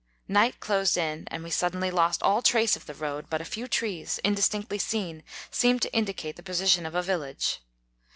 Night closed in, and we suddenly lost all trace of the road ; but a few trees, indistinctly seen, seemed to indicate the position of a village.